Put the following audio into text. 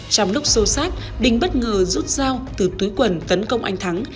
trong lúc sâu sát bình bất ngờ rút dao từ túi quần tấn công anh thắng